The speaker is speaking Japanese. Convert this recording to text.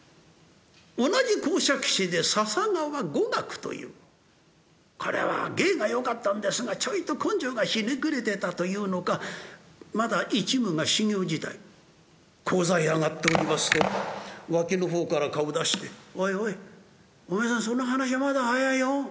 同じ講釈師で笹川五岳というこれは芸がよかったんですがちょいと根性がひねくれてたというのかまだ一夢が修業時代高座へ上がっておりますと脇の方から顔を出して「おいおいお前さんその話まだ早いよ。